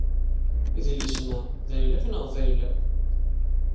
Idlisen-a d ayla-k neɣ d ayla-w?